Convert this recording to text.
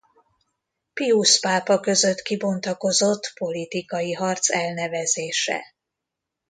Piusz pápa között kibontakozott politikai harc elnevezése.